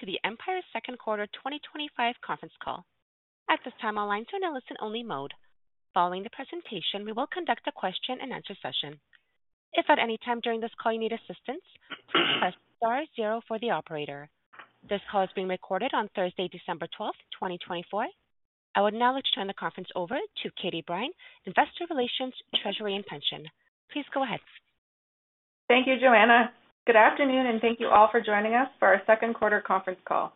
Welcome to Empire's second quarter 2025 conference call. At this time, all participants are in a listen-only mode. Following the presentation, we will conduct a question-and-answer session. If at any time during this call you need assistance, please press star zero for the operator. This call is being recorded on Thursday, December 12th, 2024. I would now like to turn the conference over to Katie Brine, Investor Relations, Treasury, and Pension. Please go ahead. Thank you, Joanna. Good afternoon, and thank you all for joining us for our second quarter conference call.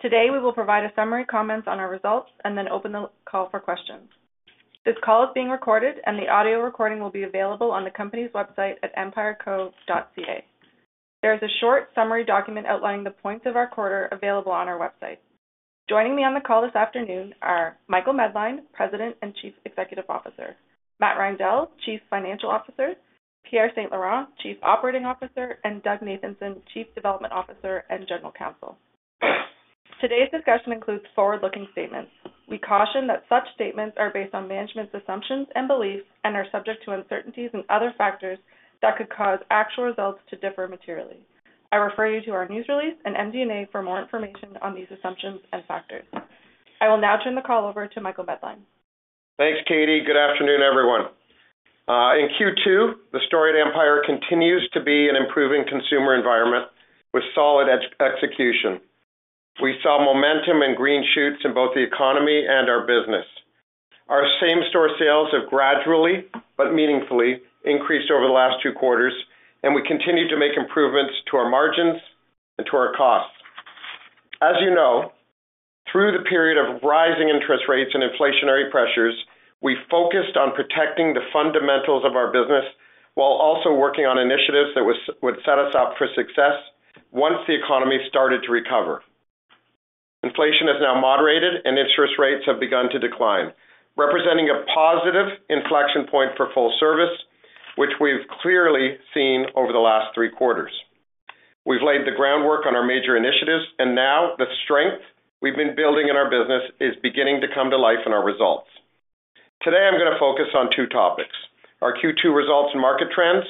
Today, we will provide a summary comments on our results and then open the call for questions. This call is being recorded, and the audio recording will be available on the company's website at empireco.ca. There is a short summary document outlining the points of our quarter available on our website. Joining me on the call this afternoon are Michael Medline, President and Chief Executive Officer, Matt Reindel, Chief Financial Officer, Pierre St-Laurent, Chief Operating Officer, and Doug Nathanson, Chief Development Officer and General Counsel. Today's discussion includes forward-looking statements. We caution that such statements are based on management's assumptions and beliefs and are subject to uncertainties and other factors that could cause actual results to differ materially. I refer you to our news release and MD&A for more information on these assumptions and factors. I will now turn the call over to Michael Medline. Thanks, Katie. Good afternoon, everyone. In Q2, the story at Empire continues to be an improving consumer environment with solid execution. We saw momentum and green shoots in both the economy and our business. Our same-store sales have gradually but meaningfully increased over the last two quarters, and we continue to make improvements to our margins and to our costs. As you know, through the period of rising interest rates and inflationary pressures, we focused on protecting the fundamentals of our business while also working on initiatives that would set us up for success once the economy started to recover. Inflation is now moderated, and interest rates have begun to decline, representing a positive inflection point for full service, which we've clearly seen over the last three quarters. We've laid the groundwork on our major initiatives, and now the strength we've been building in our business is beginning to come to life in our results. Today, I'm going to focus on two topics: our Q2 results and market trends,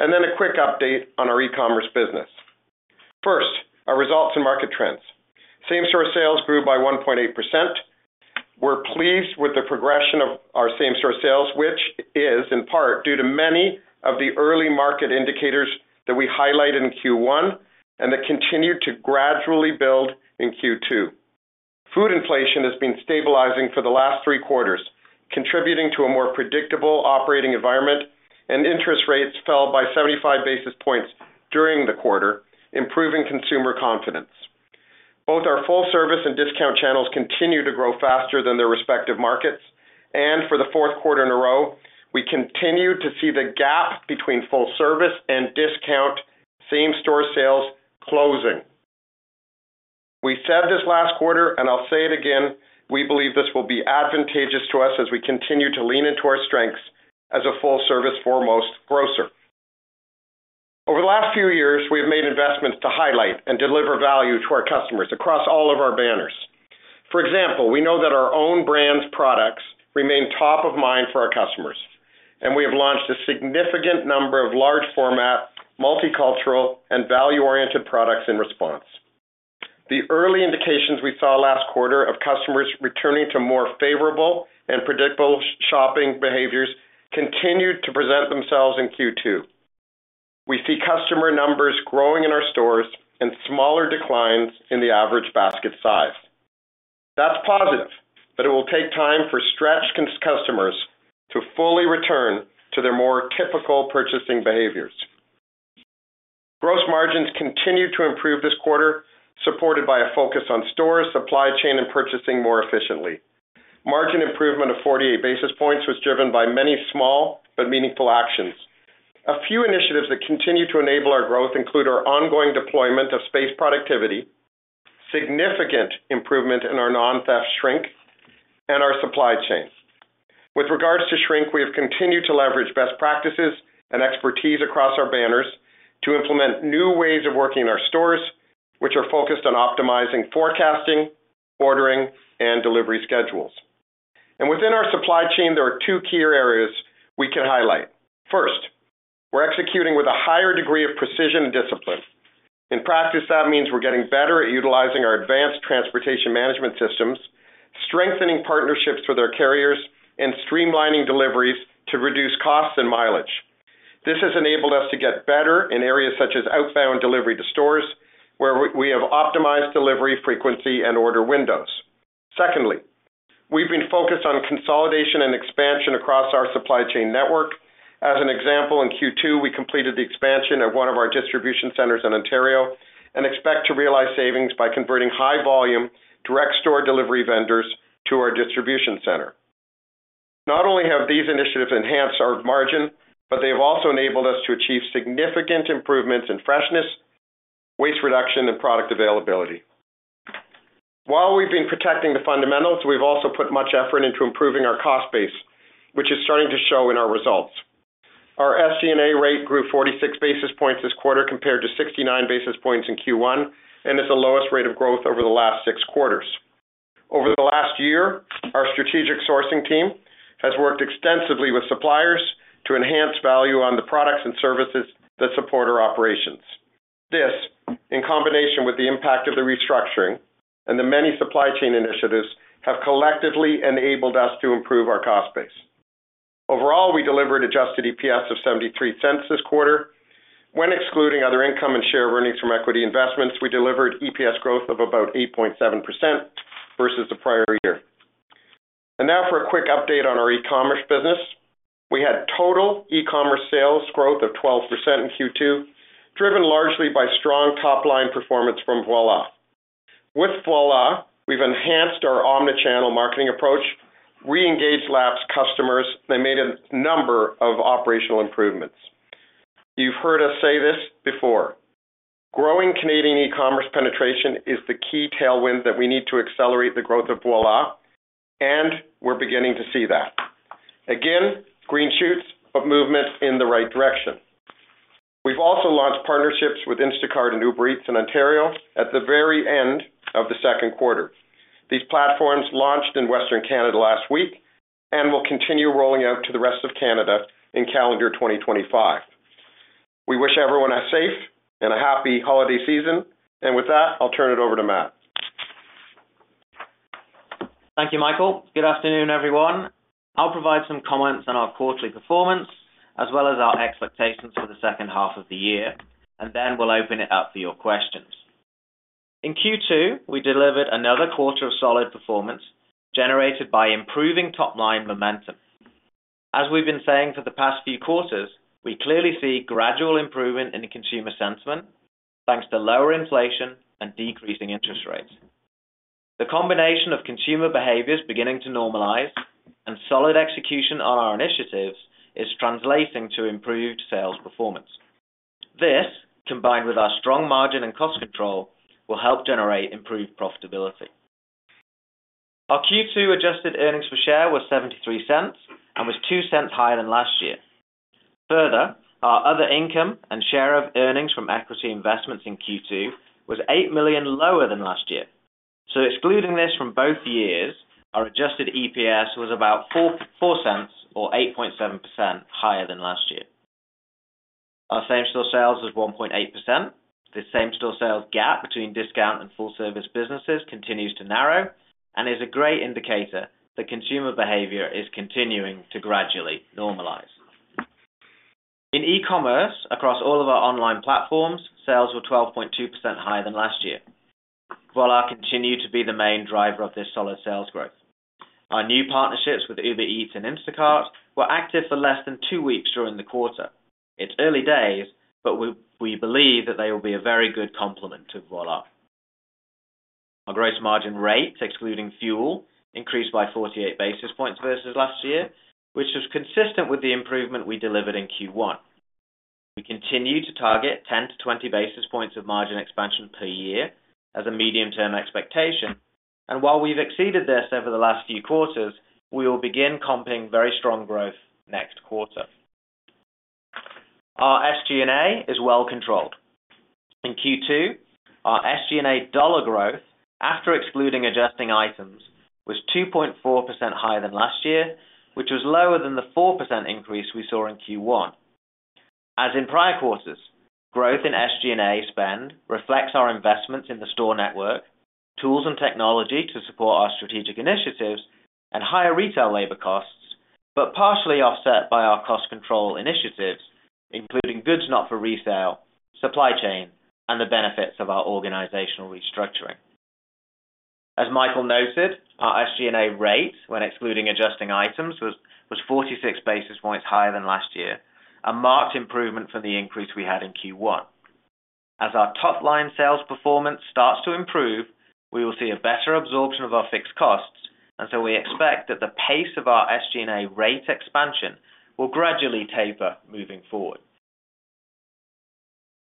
and then a quick update on our e-commerce business. First, our results and market trends. Same-store sales grew by 1.8%. We're pleased with the progression of our same-store sales, which is in part due to many of the early market indicators that we highlighted in Q1 and that continued to gradually build in Q2. Food inflation has been stabilizing for the last three quarters, contributing to a more predictable operating environment, and interest rates fell by 75 basis points during the quarter, improving consumer confidence. Both our full-service and discount channels continue to grow faster than their respective markets, and for the fourth quarter in a row, we continue to see the gap between full-service and discount same-store sales closing. We said this last quarter, and I'll say it again, we believe this will be advantageous to us as we continue to lean into our strengths as a full-service foremost grocer. Over the last few years, we have made investments to highlight and deliver value to our customers across all of our banners. For example, we know that our own brand's products remain top of mind for our customers, and we have launched a significant number of large-format, multicultural, and value-oriented products in response. The early indications we saw last quarter of customers returning to more favorable and predictable shopping behaviors continued to present themselves in Q2. We see customer numbers growing in our stores and smaller declines in the average basket size. That's positive, but it will take time for stretched customers to fully return to their more typical purchasing behaviors. Gross margins continue to improve this quarter, supported by a focus on stores, supply chain, and purchasing more efficiently. Margin improvement of 48 basis points was driven by many small but meaningful actions. A few initiatives that continue to enable our growth include our ongoing deployment of space productivity, significant improvement in our non-theft shrink, and our supply chain. With regards to shrink, we have continued to leverage best practices and expertise across our banners to implement new ways of working in our stores, which are focused on optimizing forecasting, ordering, and delivery schedules. And within our supply chain, there are two key areas we can highlight. First, we're executing with a higher degree of precision and discipline. In practice, that means we're getting better at utilizing our advanced transportation management systems, strengthening partnerships with our carriers, and streamlining deliveries to reduce costs and mileage. This has enabled us to get better in areas such as outbound delivery to stores, where we have optimized delivery frequency and order windows. Secondly, we've been focused on consolidation and expansion across our supply chain network. As an example, in Q2, we completed the expansion of one of our distribution centers in Ontario and expect to realize savings by converting high-volume direct-store delivery vendors to our distribution center. Not only have these initiatives enhanced our margin, but they have also enabled us to achieve significant improvements in freshness, waste reduction, and product availability. While we've been protecting the fundamentals, we've also put much effort into improving our cost base, which is starting to show in our results. Our SG&A rate grew 46 basis points this quarter compared to 69 basis points in Q1 and is the lowest rate of growth over the last six quarters. Over the last year, our strategic sourcing team has worked extensively with suppliers to enhance value on the products and services that support our operations. This, in combination with the impact of the restructuring and the many supply chain initiatives, has collectively enabled us to improve our cost base. Overall, we delivered adjusted EPS of 0.73 this quarter. When excluding other income and share earnings from equity investments, we delivered EPS growth of about 8.7% versus the prior year, and now for a quick update on our e-commerce business. We had total e-commerce sales growth of 12% in Q2, driven largely by strong top-line performance from Voilà. With Voilà, we've enhanced our omnichannel marketing approach, re-engaged lapsed customers, and made a number of operational improvements. You've heard us say this before. Growing Canadian e-commerce penetration is the key tailwind that we need to accelerate the growth of Voilà, and we're beginning to see that. Again, green shoots, but movement in the right direction. We've also launched partnerships with Instacart and Uber Eats in Ontario at the very end of the second quarter. These platforms launched in Western Canada last week and will continue rolling out to the rest of Canada in calendar 2025. We wish everyone a safe and a happy holiday season, and with that, I'll turn it over to Matt. Thank you, Michael. Good afternoon, everyone. I'll provide some comments on our quarterly performance as well as our expectations for the second half of the year, and then we'll open it up for your questions. In Q2, we delivered another quarter of solid performance generated by improving top-line momentum. As we've been saying for the past few quarters, we clearly see gradual improvement in consumer sentiment thanks to lower inflation and decreasing interest rates. The combination of consumer behaviors beginning to normalize and solid execution on our initiatives is translating to improved sales performance. This, combined with our strong margin and cost control, will help generate improved profitability. Our Q2 adjusted earnings per share was 0.73 and was 0.02 higher than last year. Further, our other income and share of earnings from equity investments in Q2 was 8 million lower than last year. So excluding this from both years, our adjusted EPS was about 0.04 or 8.7% higher than last year. Our same-store sales was 1.8%. This same-store sales gap between discount and full-service businesses continues to narrow and is a great indicator that consumer behavior is continuing to gradually normalize. In e-commerce, across all of our online platforms, sales were 12.2% higher than last year. Voilà continued to be the main driver of this solid sales growth. Our new partnerships with Uber Eats and Instacart were active for less than two weeks during the quarter. It's early days, but we believe that they will be a very good complement to Voilà. Our gross margin rate, excluding fuel, increased by 48 basis points versus last year, which is consistent with the improvement we delivered in Q1. We continue to target 10 basis points-20 basis points of margin expansion per year as a medium-term expectation, and while we've exceeded this over the last few quarters, we will begin comping very strong growth next quarter. Our SG&A is well controlled. In Q2, our SG&A dollar growth, after excluding adjusting items, was 2.4% higher than last year, which was lower than the 4% increase we saw in Q1. As in prior quarters, growth in SG&A spend reflects our investments in the store network, tools and technology to support our strategic initiatives, and higher retail labor costs, but partially offset by our cost control initiatives, including goods not for resale, supply chain, and the benefits of our organizational restructuring. As Michael noted, our SG&A rate, when excluding adjusting items, was 46 basis points higher than last year, a marked improvement from the increase we had in Q1. As our top-line sales performance starts to improve, we will see a better absorption of our fixed costs, and so we expect that the pace of our SG&A rate expansion will gradually taper moving forward.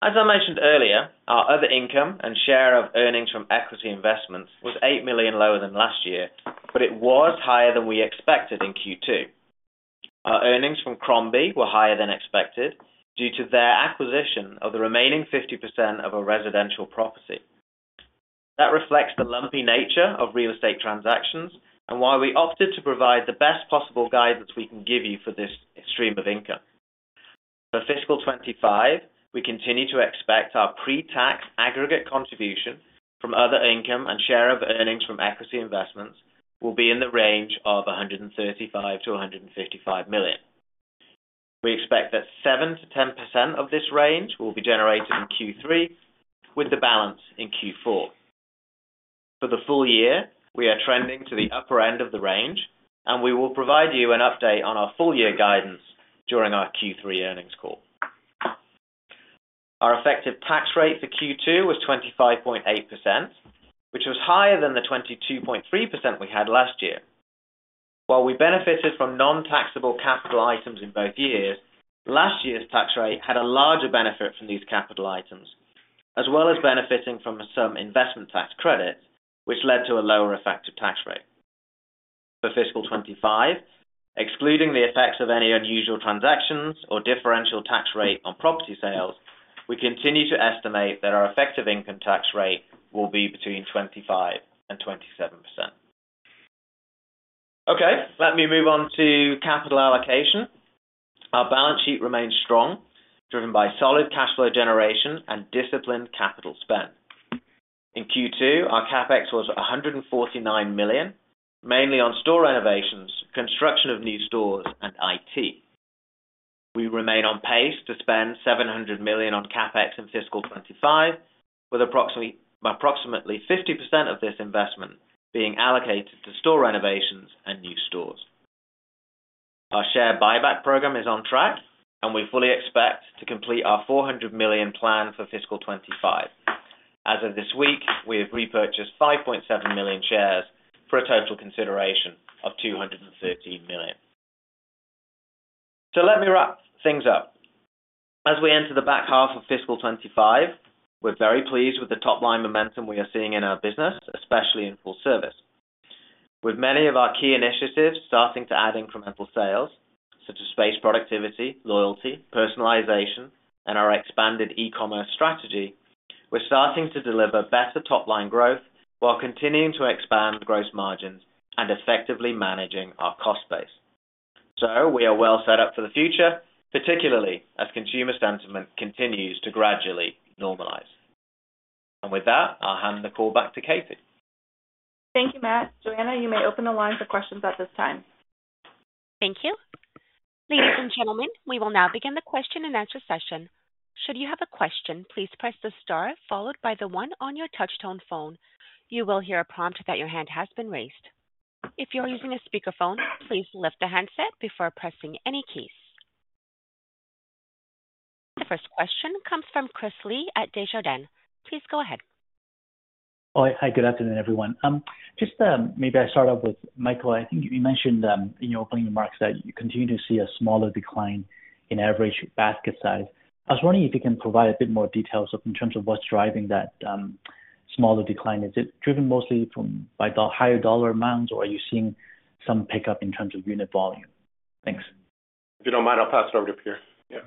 As I mentioned earlier, our other income and share of earnings from equity investments was 8 million lower than last year, but it was higher than we expected in Q2. Our earnings from Crombie were higher than expected due to their acquisition of the remaining 50% of a residential property. That reflects the lumpy nature of real estate transactions and why we opted to provide the best possible guidance we can give you for this stream of income. For fiscal 2025, we continue to expect our pre-tax aggregate contribution from other income and share of earnings from equity investments will be in the range of 135 million-155 million. We expect that 7%-10% of this range will be generated in Q3, with the balance in Q4. For the full year, we are trending to the upper end of the range, and we will provide you an update on our full-year guidance during our Q3 earnings call. Our effective tax rate for Q2 was 25.8%, which was higher than the 22.3% we had last year. While we benefited from non-taxable capital items in both years, last year's tax rate had a larger benefit from these capital items, as well as benefiting from some investment tax credits, which led to a lower effective tax rate. For fiscal 2025, excluding the effects of any unusual transactions or differential tax rate on property sales, we continue to estimate that our effective income tax rate will be between 25% and 27%. Okay, let me move on to capital allocation. Our balance sheet remains strong, driven by solid cash flow generation and disciplined capital spend. In Q2, our CapEx was 149 million, mainly on store renovations, construction of new stores, and IT. We remain on pace to spend 700 million on CapEx in fiscal 2025, with approximately 50% of this investment being allocated to store renovations and new stores. Our share buyback program is on track, and we fully expect to complete our 400 million plan for fiscal 2025. As of this week, we have repurchased 5.7 million shares for a total consideration of 213 million. So let me wrap things up. As we enter the back half of fiscal 2025, we're very pleased with the top-line momentum we are seeing in our business, especially in full service. With many of our key initiatives starting to add incremental sales, such as space productivity, loyalty, personalization, and our expanded e-commerce strategy, we're starting to deliver better top-line growth while continuing to expand gross margins and effectively managing our cost base. So we are well set up for the future, particularly as consumer sentiment continues to gradually normalize. And with that, I'll hand the call back to Katie. Thank you, Matt. Joanna, you may open the line for questions at this time. Thank you. Ladies and gentlemen, we will now begin the question and answer session. Should you have a question, please press the star followed by the one on your touch-tone phone. You will hear a prompt that your hand has been raised. If you're using a speakerphone, please lift the handset before pressing any keys. The first question comes from Chris Li at Desjardins. Please go ahead. Hi, good afternoon, everyone. Just maybe I'll start off with Michael. I think you mentioned in your opening remarks that you continue to see a smaller decline in average basket size. I was wondering if you can provide a bit more details in terms of what's driving that smaller decline. Is it driven mostly by the higher dollar amounts, or are you seeing some pickup in terms of unit volume? Thanks. If you don't mind, I'll pass it over to Pierre. Yeah.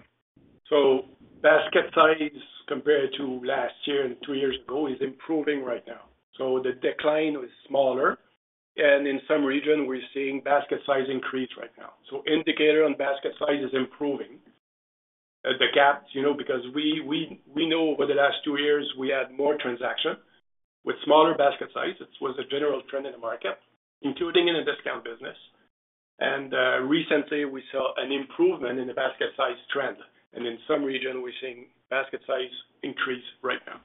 So basket size compared to last year and two years ago is improving right now. So the decline is smaller, and in some regions, we're seeing basket size increase right now. So the indicator on basket size is improving. The gap, because we know over the last two years, we had more transactions with smaller basket size. It was a general trend in the market, including in the discount business. And recently, we saw an improvement in the basket size trend, and in some regions, we're seeing basket size increase right now.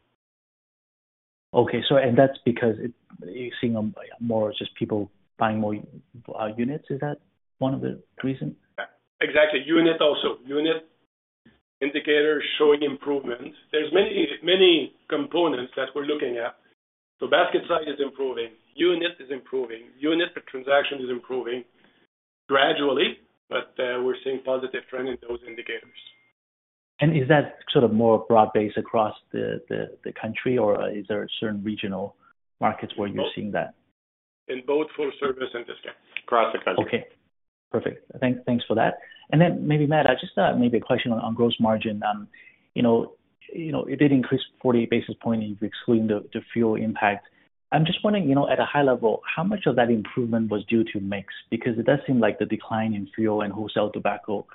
Okay, and that's because you're seeing more just people buying more units. Is that one of the reasons? Exactly. Unit also. Unit indicators showing improvements. There's many components that we're looking at. So basket size is improving. Unit is improving. Unit per transaction is improving gradually, but we're seeing positive trends in those indicators. And is that sort of more broad-based across the country, or is there certain regional markets where you're seeing that? In both full service and discount. Across the country. Okay. Perfect. Thanks for that. And then maybe, Matt, I just thought maybe a question on gross margin. It did increase 48 basis points if you exclude the fuel impact. I'm just wondering, at a high level, how much of that improvement was due to mix? Because it does seem like the decline in fuel and wholesale tobacco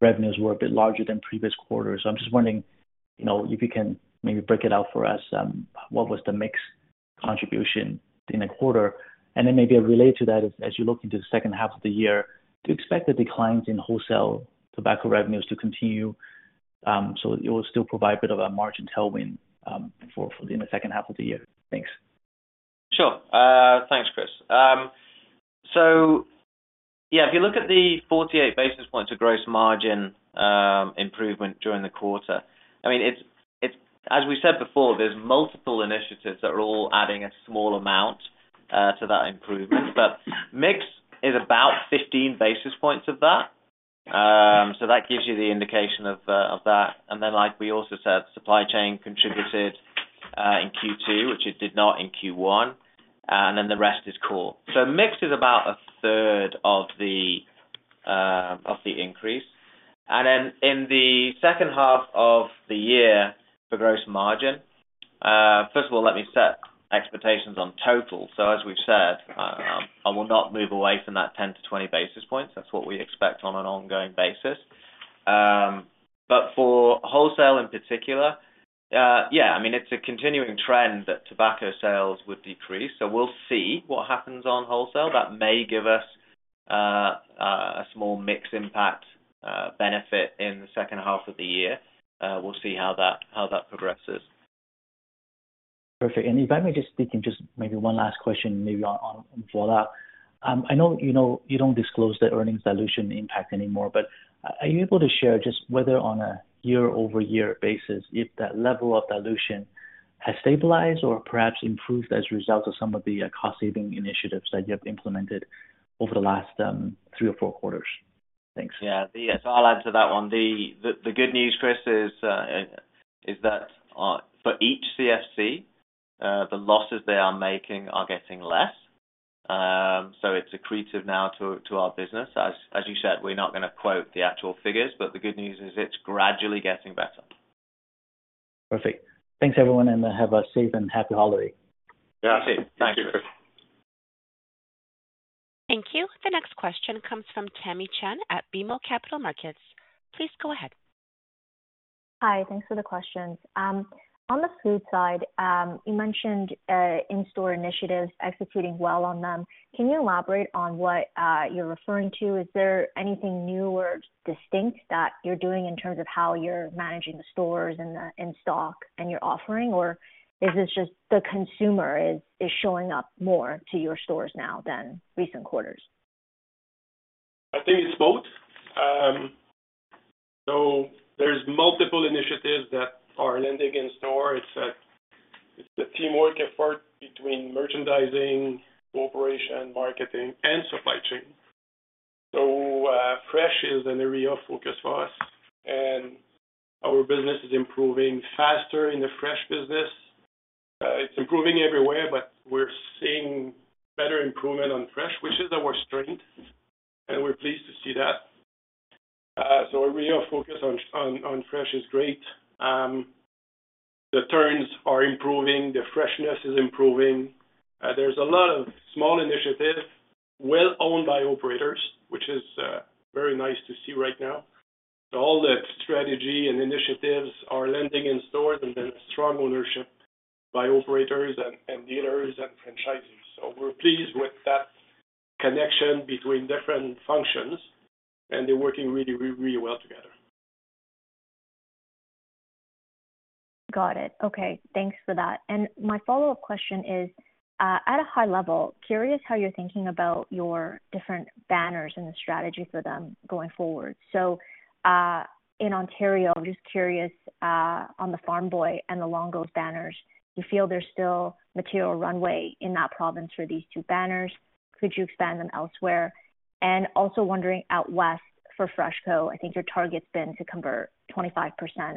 revenues were a bit larger than previous quarters. So I'm just wondering if you can maybe break it out for us. What was the mix contribution in the quarter? And then maybe related to that, as you look into the second half of the year, do you expect the declines in wholesale tobacco revenues to continue so it will still provide a bit of a margin tailwind in the second half of the year? Thanks. Sure. Thanks, Chris. So yeah, if you look at the 48 basis points of gross margin improvement during the quarter, I mean, as we said before, there's multiple initiatives that are all adding a small amount to that improvement, but mix is about 15 basis points of that. So that gives you the indication of that. And then, like we also said, supply chain contributed in Q2, which it did not in Q1, and then the rest is core. So mix is about 1/3 of the increase. And then in the second half of the year for gross margin, first of all, let me set expectations on total. So as we've said, I will not move away from that 10 basis points-20 basis points. That's what we expect on an ongoing basis. But for wholesale in particular, yeah, I mean, it's a continuing trend that tobacco sales would decrease. So we'll see what happens on wholesale. That may give us a small mix impact benefit in the second half of the year. We'll see how that progresses. Perfect. And if I may just speak in just maybe one last question maybe on Voilà. I know you don't disclose the earnings dilution impact anymore, but are you able to share just whether on a year-over-year basis if that level of dilution has stabilized or perhaps improved as a result of some of the cost-saving initiatives that you have implemented over the last three or four quarters? Thanks. Yeah, so I'll answer that one. The good news, Chris, is that for each CFC, the losses they are making are getting less. So it's accretive now to our business. As you said, we're not going to quote the actual figures, but the good news is it's gradually getting better. Perfect. Thanks, everyone, and have a safe and happy holiday. Yeah, same. Thank you, Chris. Thank you. The next question comes from Tamy Chen at BMO Capital Markets. Please go ahead. Hi. Thanks for the questions. On the food side, you mentioned in-store initiatives executing well on them. Can you elaborate on what you're referring to? Is there anything new or distinct that you're doing in terms of how you're managing the stores and stock and your offering, or is this just the consumer is showing up more to your stores now than recent quarters? I think it's both. So there's multiple initiatives that are landing in store. It's a teamwork effort between merchandising, corporation, marketing, and supply chain. So fresh is an area of focus for us, and our business is improving faster in the fresh business. It's improving everywhere, but we're seeing better improvement on fresh, which is our strength, and we're pleased to see that. So our area of focus on fresh is great. The turns are improving. The freshness is improving. There's a lot of small initiatives well owned by operators, which is very nice to see right now. So all the strategy and initiatives are landing in stores, and there's strong ownership by operators and dealers and franchisees. So we're pleased with that connection between different functions, and they're working really, really well together. Got it. Okay. Thanks for that. And my follow-up question is, at a high level, curious how you're thinking about your different banners and the strategy for them going forward. So in Ontario, I'm just curious on the Farm Boy and the Longo’s banners, do you feel there's still material runway in that province for these two banners? Could you expand them elsewhere? And also wondering out west for FreshCo, I think your target's been to convert 25%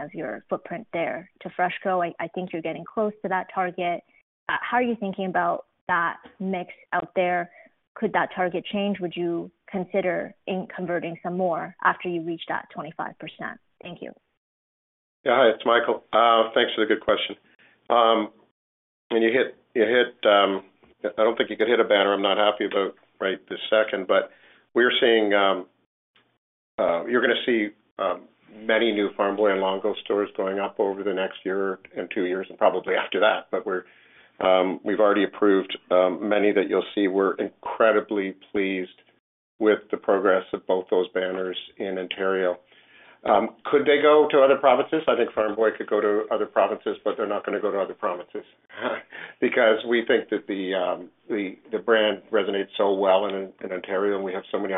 of your footprint there to FreshCo. I think you're getting close to that target. How are you thinking about that mix out there? Could that target change? Would you consider converting some more after you reach that 25%? Thank you. Yeah. Hi, it's Michael. Thanks for the good question, and you hit. I don't think you could hit a banner I'm not happy about right this second, but we're seeing you're going to see many new Farm Boy and Longo’s stores going up over the next year and two years and probably after that, but we've already approved many that you'll see. We're incredibly pleased with the progress of both those banners in Ontario. Could they go to other provinces? I think Farm Boy could go to other provinces, but they're not going to go to other provinces because we think that the brand resonates so well in Ontario, and we have so many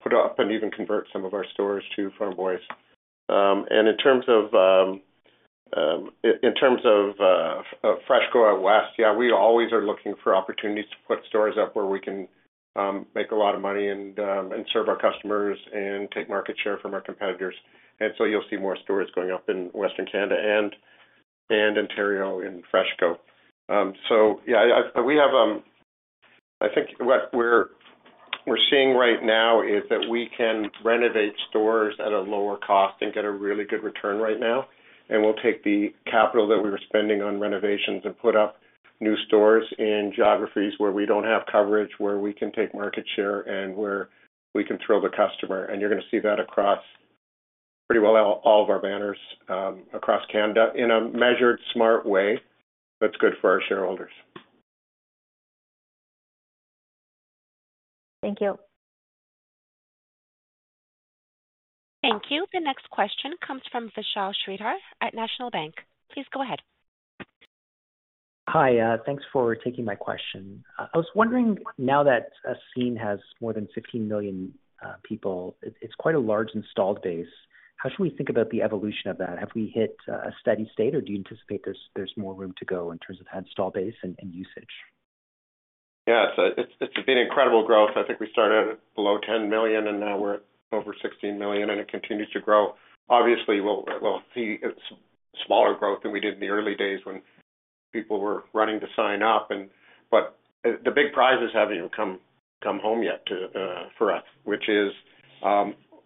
opportunities to put up and even convert some of our stores to Farm Boys. And in terms of FreshCo out west, yeah, we always are looking for opportunities to put stores up where we can make a lot of money and serve our customers and take market share from our competitors. And so you'll see more stores going up in Western Canada and Ontario in FreshCo. So yeah, I think what we're seeing right now is that we can renovate stores at a lower cost and get a really good return right now. And we'll take the capital that we were spending on renovations and put up new stores in geographies where we don't have coverage, where we can take market share, and where we can thrill the customer. And you're going to see that across pretty well all of our banners across Canada in a measured, smart way that's good for our shareholders. Thank you. Thank you. The next question comes from Vishal Shreedhar at National Bank. Please go ahead. Hi. Thanks for taking my question. I was wondering, now that Scene has more than 15 million people, it's quite a large installed base. How should we think about the evolution of that? Have we hit a steady state, or do you anticipate there's more room to go in terms of installed base and usage? Yeah. It's been incredible growth. I think we started at below 10 million, and now we're at over 16 million, and it continues to grow. Obviously, we'll see smaller growth than we did in the early days when people were running to sign up. But the big prizes haven't even come home yet for us, which is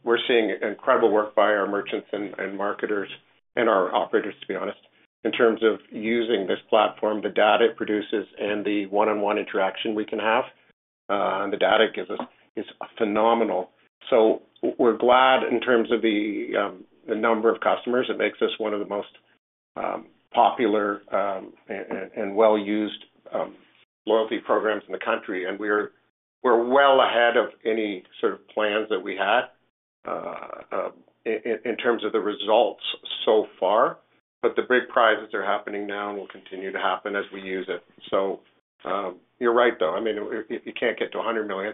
we're seeing incredible work by our merchants and marketers and our operators, to be honest, in terms of using this platform. The data it produces and the one-on-one interaction we can have and the data it gives us is phenomenal. So we're glad in terms of the number of customers. It makes us one of the most popular and well-used loyalty programs in the country, and we're well ahead of any sort of plans that we had in terms of the results so far. But the big prizes are happening now and will continue to happen as we use it. So you're right, though. I mean, you can't get to 100 million,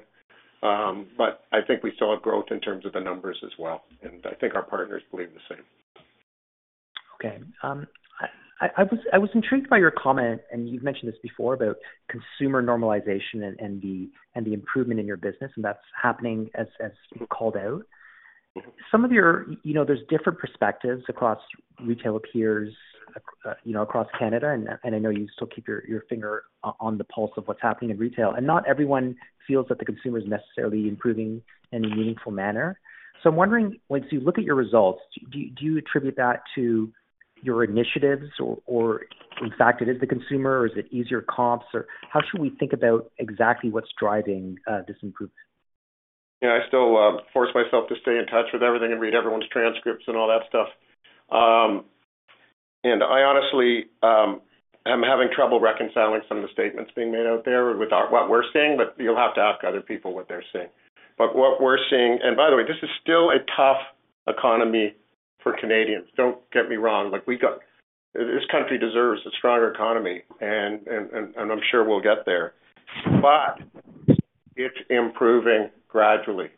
but I think we saw growth in terms of the numbers as well, and I think our partners believe the same. Okay. I was intrigued by your comment, and you've mentioned this before about consumer normalization and the improvement in your business, and that's happening as you called out. Some of yours, there's different perspectives across retail peers across Canada, and I know you still keep your finger on the pulse of what's happening in retail, and not everyone feels that the consumer is necessarily improving in a meaningful manner. So I'm wondering, once you look at your results, do you attribute that to your initiatives, or in fact, it is the consumer, or is it easier comps, or how should we think about exactly what's driving this improvement? Yeah. I still force myself to stay in touch with everything and read everyone's transcripts and all that stuff, and I honestly am having trouble reconciling some of the statements being made out there with what we're seeing, but you'll have to ask other people what they're seeing. But what we're seeing and by the way, this is still a tough economy for Canadians. Don't get me wrong. This country deserves a stronger economy, and I'm sure we'll get there, but it's improving gradually.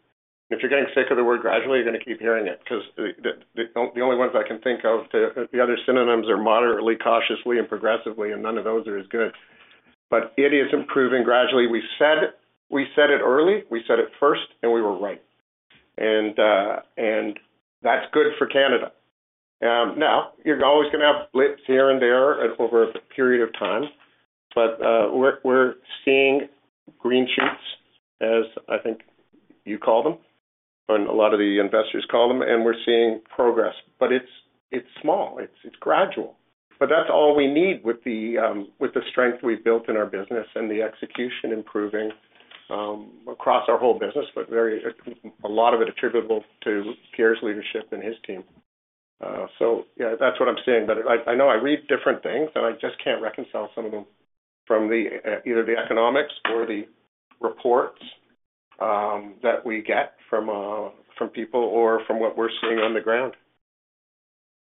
If you're getting sick of the word gradually, you're going to keep hearing it because the only ones I can think of, the other synonyms are moderately, cautiously, and progressively, and none of those are as good. But it is improving gradually. We said it early. We said it first, and we were right, and that's good for Canada. Now, you're always going to have blips here and there over a period of time, but we're seeing green shoots, as I think you call them, and a lot of the investors call them, and we're seeing progress. But it's small. It's gradual. But that's all we need with the strength we've built in our business and the execution improving across our whole business, but a lot of it attributable to Pierre's leadership and his team. So yeah, that's what I'm seeing. But I know I read different things, and I just can't reconcile some of them from either the economics or the reports that we get from people or from what we're seeing on the ground.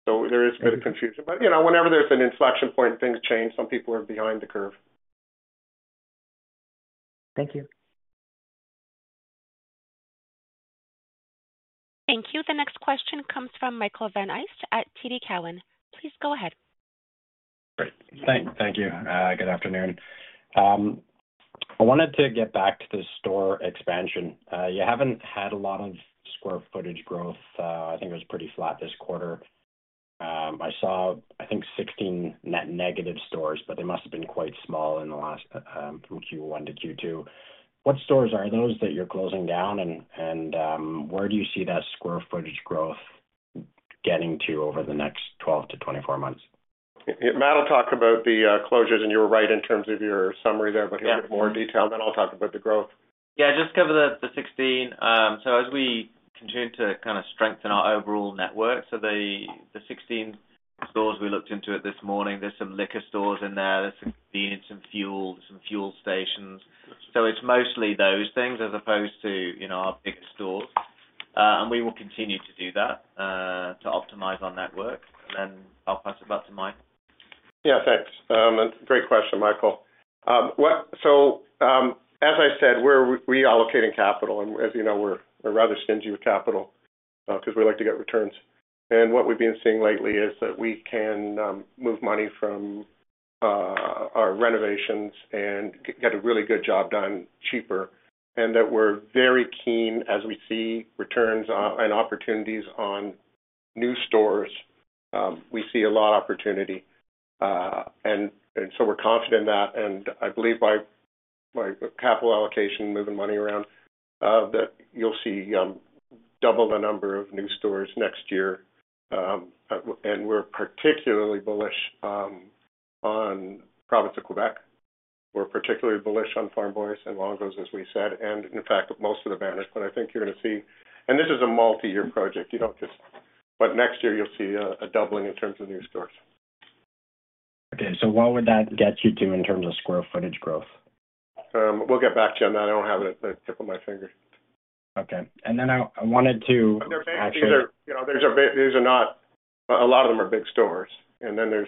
So there is a bit of confusion. But whenever there's an inflection point, things change. Some people are behind the curve. Thank you. Thank you. The next question comes from Michael Van Aelst at TD Cowen. Please go ahead. Great. Thank you. Good afternoon. I wanted to get back to the store expansion. You haven't had a lot of square footage growth. I think it was pretty flat this quarter. I saw, I think, 16 net negative stores, but they must have been quite small in the last from Q1 to Q2. What stores are those that you're closing down, and where do you see that square footage growth getting to over the next 12 months-24 months? Matt will talk about the closures, and you were right in terms of your summary there, but he'll get more detail, then I'll talk about the growth. Yeah. Just cover the 16. So as we continue to kind of strengthen our overall network, so the 16 stores we looked into it this morning, there's some liquor stores in there. There's some fuels, some fuel stations. So it's mostly those things as opposed to our big stores. And we will continue to do that to optimize our network. And then I'll pass it back to Mike. Yeah. Thanks. Great question, Michael. So as I said, we are allocating capital, and as you know, we're rather stingy with capital because we like to get returns. And what we've been seeing lately is that we can move money from our renovations and get a really good job done cheaper, and that we're very keen as we see returns and opportunities on new stores. We see a lot of opportunity. And so we're confident in that. And I believe by capital allocation, moving money around, that you'll see double the number of new stores next year. And we're particularly bullish on province of Quebec. We're particularly bullish on Farm Boy' and Longo’s, as we said, and in fact, most of the banners. But I think you're going to see and this is a multi-year project. But next year, you'll see a doubling in terms of new stores. Okay. So what would that get you to in terms of square footage growth? We'll get back to you on that. I don't have it at the tip of my finger. Okay. And then I wanted to actually. These are not. A lot of them are big stores. And then there's.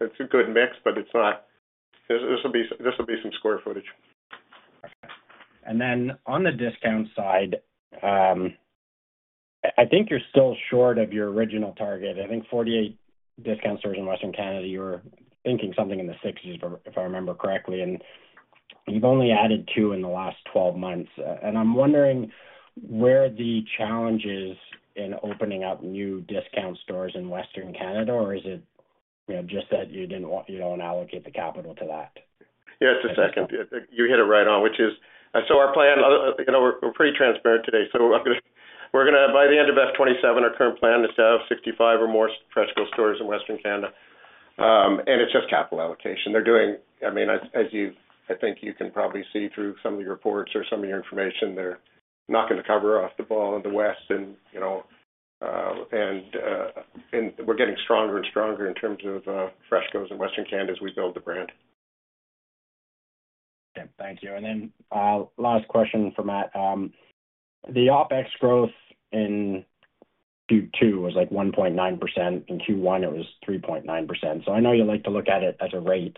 It's a good mix, but it's not. This will be some square footage. Okay. And then on the discount side, I think you're still short of your original target. I think 48 discount stores in Western Canada. You were thinking something in the 60s, if I remember correctly, and you've only added two in the last 12 months. And I'm wondering where the challenge is in opening up new discount stores in Western Canada, or is it just that you don't want to allocate the capital to that? Yeah. It's a second. You hit it right on, which is so our plan we're pretty transparent today. So we're going to, by the end of FY 2027, our current plan is to have 65 or more FreshCo stores in Western Canada. And it's just capital allocation. I mean, as you I think you can probably see through some of the reports or some of your information, they're knocking the cover off the ball in the west. And we're getting stronger and stronger in terms of FreshCo's in Western Canada as we build the brand. Okay. Thank you. And then last question from Matt. The OpEx growth in Q2 was like 1.9%. In Q1, it was 3.9%. So I know you like to look at it as a rate.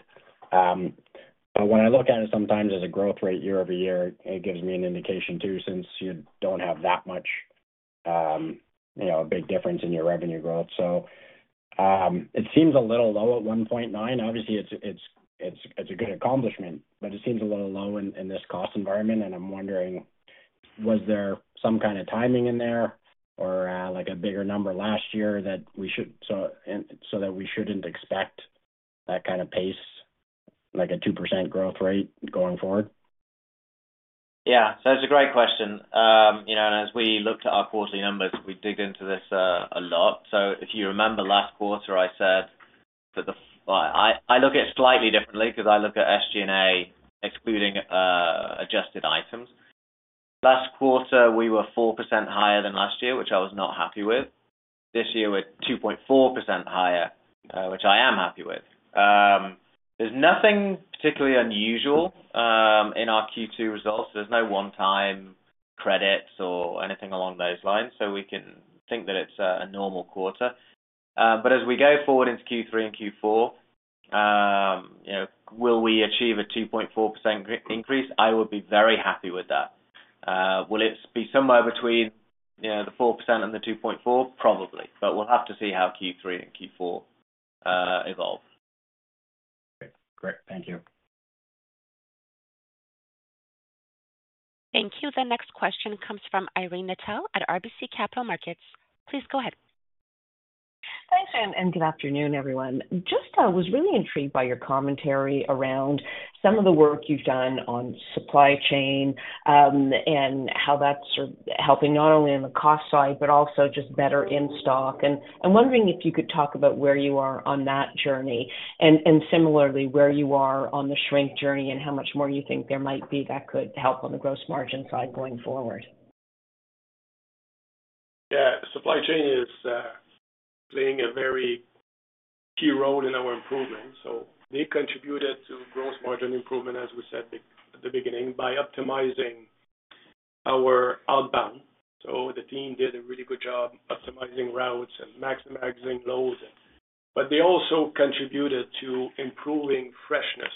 But when I look at it sometimes as a growth rate year-over-year, it gives me an indication too since you don't have that much a big difference in your revenue growth. So it seems a little low at 1.9%. Obviously, it's a good accomplishment, but it seems a little low in this cost environment. And I'm wondering, was there some kind of timing in there or a bigger number last year so that we shouldn't expect that kind of pace, like a 2% growth rate going forward? Yeah. So that's a great question. And as we looked at our quarterly numbers, we dig into this a lot. So if you remember last quarter, I said that I look at it slightly differently because I look at SG&A excluding adjusted items. Last quarter, we were 4% higher than last year, which I was not happy with. This year, we're 2.4% higher, which I am happy with. There's nothing particularly unusual in our Q2 results. There's no one-time credits or anything along those lines, so we can think that it's a normal quarter. But as we go forward into Q3 and Q4, will we achieve a 2.4% increase? I would be very happy with that. Will it be somewhere between the 4% and the 2.4%? Probably. But we'll have to see how Q3 and Q4 evolve. Okay. Great. Thank you. Thank you. The next question comes from Irene Nattel at RBC Capital Markets. Please go ahead. Thanks, and good afternoon, everyone. Just was really intrigued by your commentary around some of the work you've done on supply chain and how that's helping not only on the cost side but also just better in stock. And I'm wondering if you could talk about where you are on that journey and similarly where you are on the shrink journey and how much more you think there might be that could help on the gross margin side going forward. Yeah. Supply chain is playing a very key role in our improvement. So they contributed to gross margin improvement, as we said at the beginning, by optimizing our outbound. So the team did a really good job optimizing routes and maximizing loads. But they also contributed to improving freshness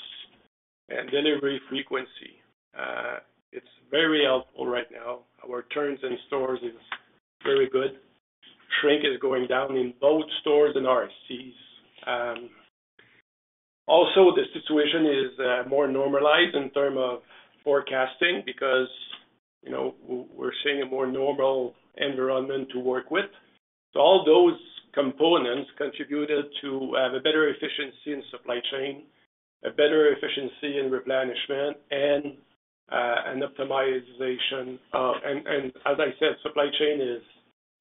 and delivery frequency. It's very helpful right now. Our turns in stores are very good. Shrink is going down in both stores and RSCs. Also, the situation is more normalized in terms of forecasting because we're seeing a more normal environment to work with. So all those components contributed to have a better efficiency in supply chain, a better efficiency in replenishment, and an optimization. And as I said, supply chain is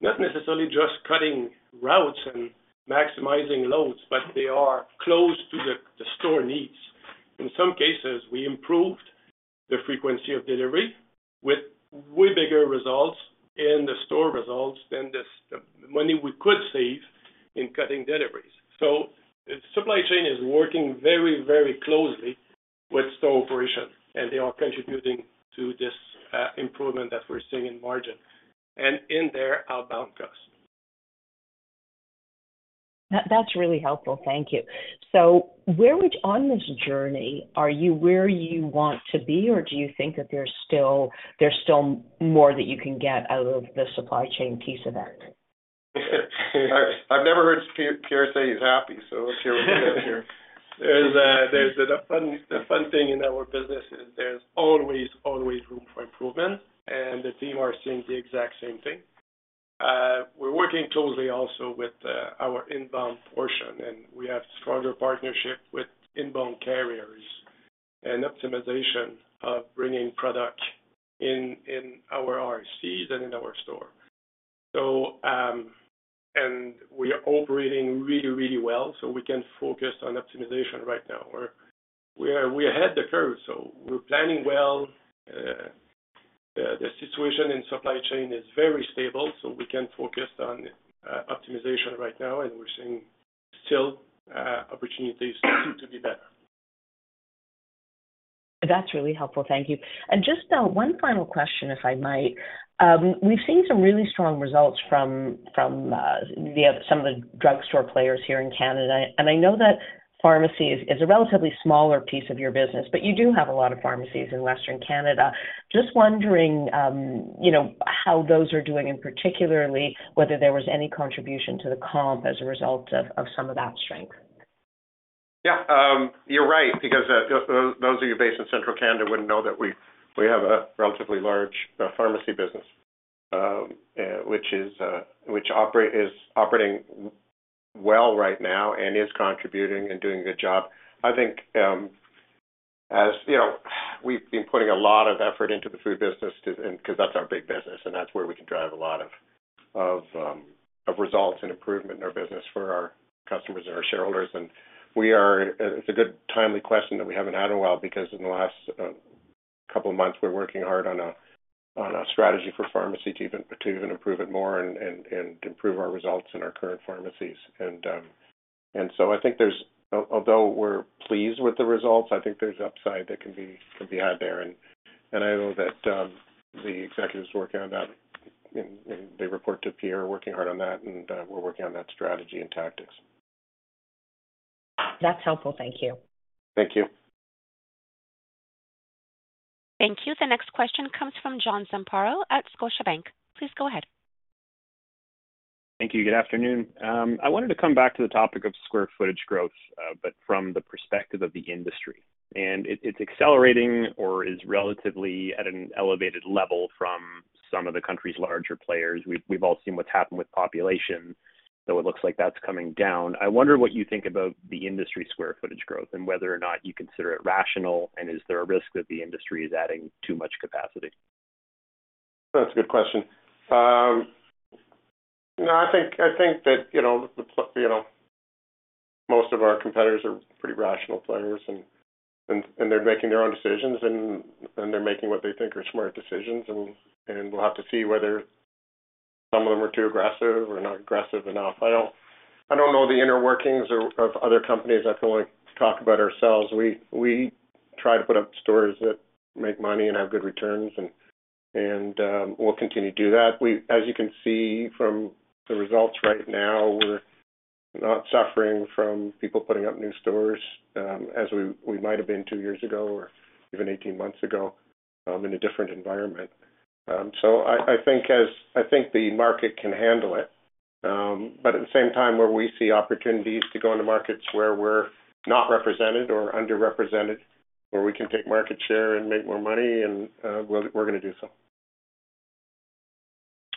not necessarily just cutting routes and maximizing loads, but they are close to the store needs. In some cases, we improved the frequency of delivery with way bigger results in the store results than the money we could save in cutting deliveries, so supply chain is working very, very closely with store operations, and they are contributing to this improvement that we're seeing in margin and in their outbound costs. That's really helpful. Thank you. So where on this journey are you where you want to be, or do you think that there's still more that you can get out of the supply chain piece of that? I've never heard Pierre say he's happy, so Pierre will be happy here. There's the fun thing in our business is there's always, always room for improvement, and the team are seeing the exact same thing. We're working closely also with our inbound portion, and we have a stronger partnership with inbound carriers and optimization of bringing product in our RSCs and in our store, and we are operating really, really well, so we can focus on optimization right now. We're ahead of the curve, so we're planning well. The situation in supply chain is very stable, so we can focus on optimization right now, and we're seeing still opportunities to be better. That's really helpful. Thank you. And just one final question, if I might. We've seen some really strong results from some of the drugstore players here in Canada. And I know that pharmacy is a relatively smaller piece of your business, but you do have a lot of pharmacies in Western Canada. Just wondering how those are doing, and particularly whether there was any contribution to the comp as a result of some of that strength. Yeah. You're right because those of you based in Central Canada wouldn't know that we have a relatively large pharmacy business, which is operating well right now and is contributing and doing a good job. I think as we've been putting a lot of effort into the food business because that's our big business, and that's where we can drive a lot of results and improvement in our business for our customers and our shareholders, and it's a good, timely question that we haven't had in a while because in the last couple of months, we're working hard on a strategy for pharmacy to even improve it more and improve our results in our current pharmacies, and so I think there's, although we're pleased with the results, I think there's upside that can be had there. I know that the executives working on that, they report to Pierre, working hard on that, and we're working on that strategy and tactics. That's helpful. Thank you. Thank you. Thank you. The next question comes from John Zamparo at Scotiabank. Please go ahead. Thank you. Good afternoon. I wanted to come back to the topic of square footage growth, but from the perspective of the industry, and it's accelerating or is relatively at an elevated level from some of the country's larger players. We've all seen what's happened with population, so it looks like that's coming down. I wonder what you think about the industry's square footage growth and whether or not you consider it rational, and is there a risk that the industry is adding too much capacity? That's a good question. No, I think that most of our competitors are pretty rational players, and they're making their own decisions, and they're making what they think are smart decisions, and we'll have to see whether some of them are too aggressive or not aggressive enough. I don't know the inner workings of other companies. I can only talk about ourselves. We try to put up stores that make money and have good returns, and we'll continue to do that. As you can see from the results right now, we're not suffering from people putting up new stores as we might have been two years ago or even 18 months ago in a different environment, so I think the market can handle it. But at the same time, where we see opportunities to go into markets where we're not represented or underrepresented, where we can take market share and make more money, we're going to do so.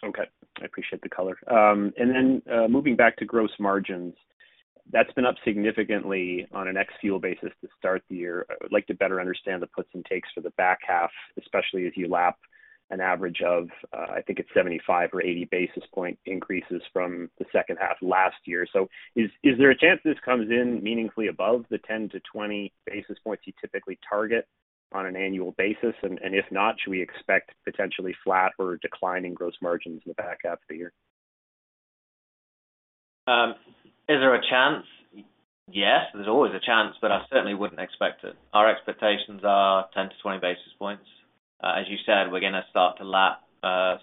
Okay. I appreciate the color. And then moving back to gross margins, that's been up significantly on an ex-fuel basis to start the year. I'd like to better understand the puts and takes for the back half, especially as you lap an average of, I think it's 75 basis points or 80 basis point increases from the second half last year. So is there a chance this comes in meaningfully above the 10 basis points-20 basis points you typically target on an annual basis? And if not, should we expect potentially flat or declining gross margins in the back half of the year? Is there a chance? Yes, there's always a chance, but I certainly wouldn't expect it. Our expectations are 10 basis points-20 basis points. As you said, we're going to start to lap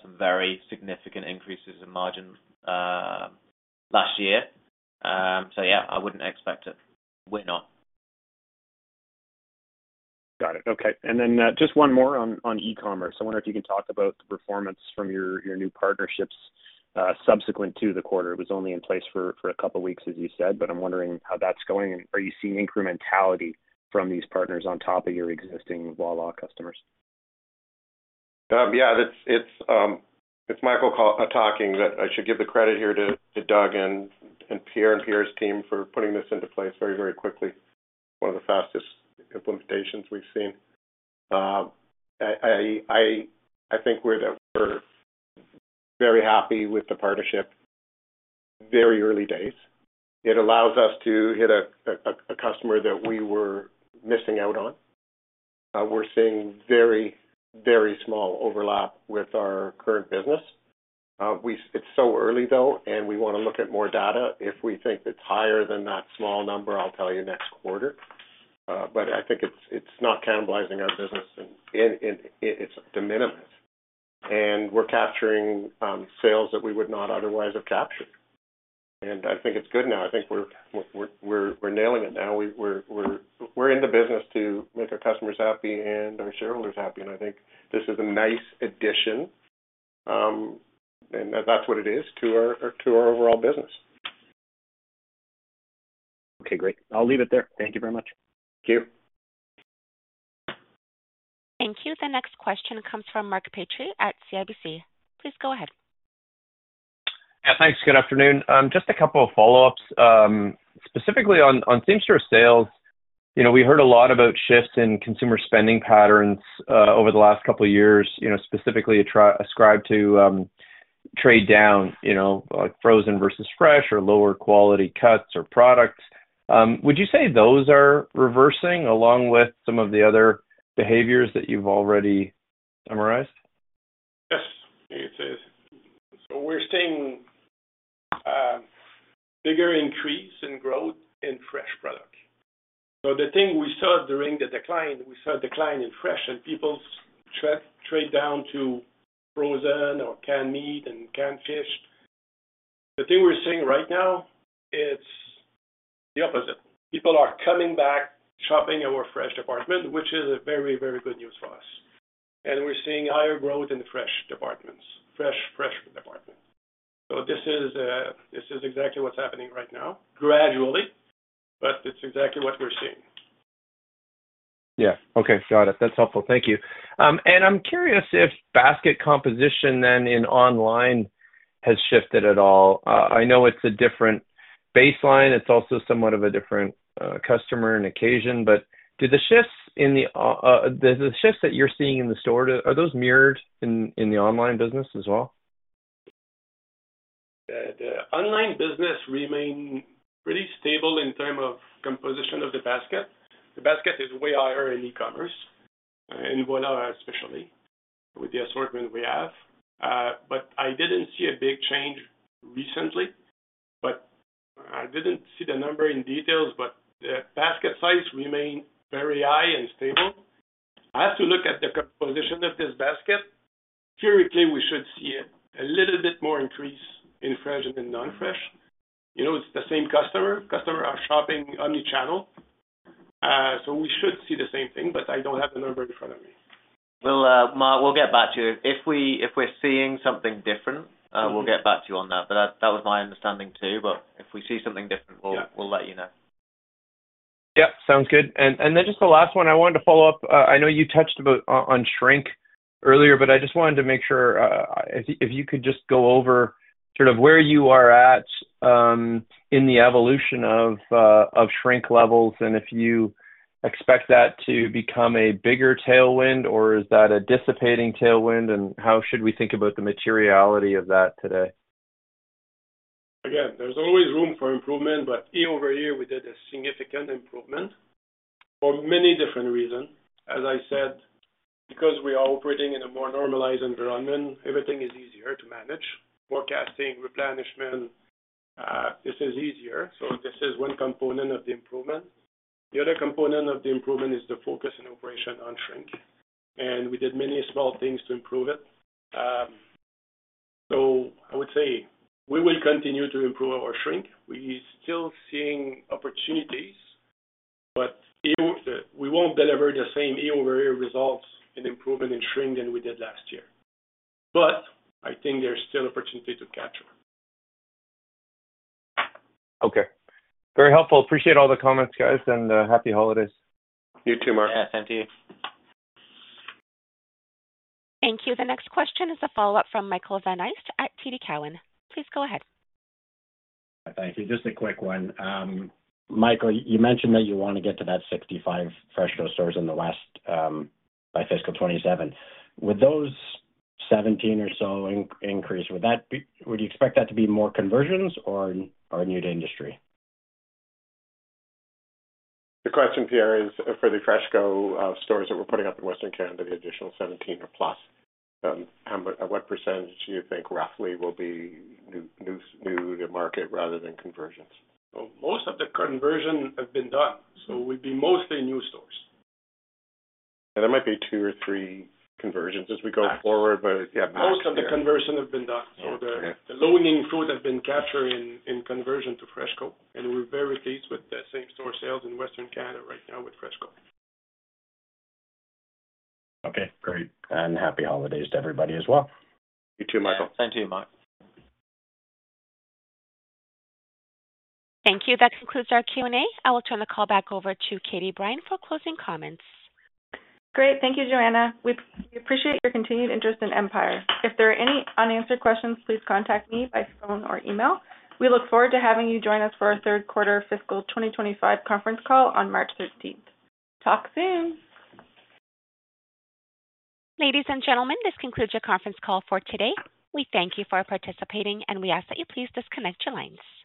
some very significant increases in margin last year. So yeah, I wouldn't expect it. We're not. Got it. Okay. And then just one more on e-commerce. I wonder if you can talk about the performance from your new partnerships subsequent to the quarter. It was only in place for a couple of weeks, as you said, but I'm wondering how that's going. And are you seeing incrementality from these partners on top of your existing Voilà customers? Yeah. It's Michael talking that I should give the credit here to Doug and Pierre and Pierre's team for putting this into place very, very quickly. One of the fastest implementations we've seen. I think we're very happy with the partnership. Very early days. It allows us to hit a customer that we were missing out on. We're seeing very, very small overlap with our current business. It's so early, though, and we want to look at more data. If we think it's higher than that small number, I'll tell you next quarter. But I think it's not cannibalizing our business. It's de minimis. And we're capturing sales that we would not otherwise have captured. And I think it's good now. I think we're nailing it now. We're in the business to make our customers happy and our shareholders happy. I think this is a nice addition, and that's what it is to our overall business. Okay. Great. I'll leave it there. Thank you very much. Thank you. Thank you. The next question comes from Mark Petrie at CIBC. Please go ahead. Yeah. Thanks. Good afternoon. Just a couple of follow-ups. Specifically on same-store sales, we heard a lot about shifts in consumer spending patterns over the last couple of years, specifically ascribed to trade down, like frozen versus fresh or lower quality cuts or products. Would you say those are reversing along with some of the other behaviors that you've already summarized? Yes. I'd say so. So we're seeing a bigger increase in growth in fresh product. So the thing we saw during the decline, we saw a decline in fresh, and people trade down to frozen or canned meat and canned fish. The thing we're seeing right now, it's the opposite. People are coming back, shopping our fresh department, which is very, very good news for us. And we're seeing higher growth in the fresh departments. So this is exactly what's happening right now, gradually, but it's exactly what we're seeing. Yeah. Okay. Got it. That's helpful. Thank you. And I'm curious if basket composition then in online has shifted at all. I know it's a different baseline. It's also somewhat of a different customer and occasion. But do the shifts that you're seeing in the store, are those mirrored in the online business as well? The online business remains pretty stable in terms of composition of the basket. The basket is way higher in e-commerce and Voilà especially with the assortment we have, but I didn't see a big change recently, but I didn't see the number in details, but the basket size remains very high and stable. I have to look at the composition of this basket. Theoretically, we should see a little bit more increase in fresh and in non-fresh. It's the same customer. Customers are shopping omnichannel, so we should see the same thing, but I don't have the number in front of me. We'll get back to you. If we're seeing something different, we'll get back to you on that. But that was my understanding too. But if we see something different, we'll let you know. Yeah. Sounds good. And then just the last one, I wanted to follow up. I know you touched on shrink earlier, but I just wanted to make sure if you could just go over sort of where you are at in the evolution of shrink levels and if you expect that to become a bigger tailwind, or is that a dissipating tailwind, and how should we think about the materiality of that today? Again, there's always room for improvement, but year-over-year, we did a significant improvement for many different reasons. As I said, because we are operating in a more normalized environment, everything is easier to manage: forecasting, replenishment. This is easier. So this is one component of the improvement. The other component of the improvement is the focus and operation on shrink, and we did many small things to improve it, so I would say we will continue to improve our shrink. We are still seeing opportunities, but we won't deliver the same year-over-year results and improvement in shrink than we did last year, but I think there's still opportunity to capture. Okay. Very helpful. Appreciate all the comments, guys, and happy holidays. You too, Mark. Yeah. Same to you. Thank you. The next question is a follow-up from Michael Van Aelst at TD Cowen. Please go ahead. Thank you. Just a quick one. Michael, you mentioned that you want to get to that 65 FreshCo stores at least by fiscal 2027. With those 17 or so increase, would you expect that to be more conversions or new to industry? The question here is for the FreshCo stores that we're putting up in Western Canada, the additional 17 or plus. What percentage do you think roughly will be new to market rather than conversions? Most of the conversion has been done. So we'll be mostly new stores. There might be two or three conversions as we go forward, but yeah. Most of the conversion has been done. So the fruit has been captured in conversion to FreshCo. And we're very pleased with the same-store sales in Western Canada right now with FreshCo. Okay. Great, and happy holidays to everybody as well. You too, Michael. Same to you, Mark. Thank you. That concludes our Q&A. I will turn the call back over to Katie Brine for closing comments. Great. Thank you, Joanna. We appreciate your continued interest in Empire. If there are any unanswered questions, please contact me by phone or email. We look forward to having you join us for our third quarter fiscal 2025 conference call on March 13th. Talk soon. Ladies and gentlemen, this concludes your conference call for today. We thank you for participating, and we ask that you please disconnect your lines.